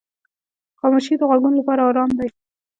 خاموشي د غوږو لپاره آرام دی.